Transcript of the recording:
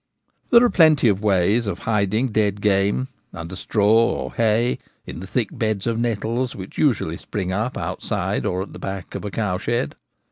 There are plenty of ways of hiding dead game, under straw or hay, in the thick beds of nettles which usually spring up outside or at the back of a cowshed.